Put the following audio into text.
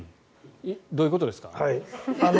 どういうことですか？